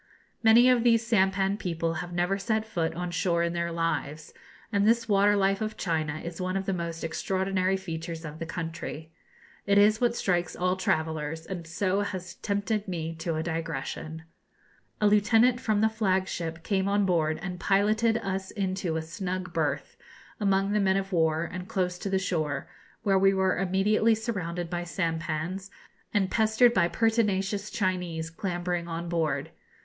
Many of these sampan people have never set foot on shore in their lives, and this water life of China is one of the most extraordinary features of the country. It is what strikes all travellers, and so has tempted me to a digression. A lieutenant from the flag ship came on board and piloted us into a snug berth, among the men of war, and close to the shore, where we were immediately surrounded by sampans, and pestered by pertinacious Chinese clambering on board.